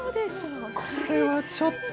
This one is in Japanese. これはちょっと。